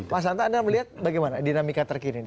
mas hanta anda melihat bagaimana dinamika terkini